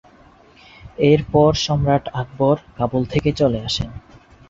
এরপর সম্রাট আকবর কাবুল থেকে চলে আসেন।